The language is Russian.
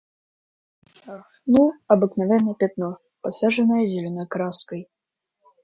Ах, ну, обыкновенное пятно, посаженное зелёной краской.